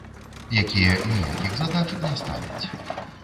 Якія ніякіх задач не ставяць.